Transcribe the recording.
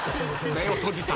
目を閉じた。